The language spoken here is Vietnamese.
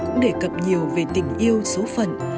cũng đề cập nhiều về tình yêu số phận